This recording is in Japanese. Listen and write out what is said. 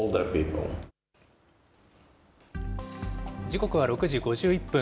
時刻は６時５１分。